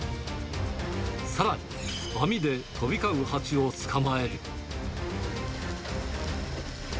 さらに網で飛び交うハチを捕まえる。